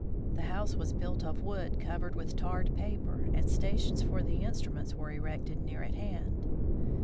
The house was built of wood covered with tarred paper, and stations for the instru ments were erected near at hand.